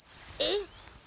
えっ？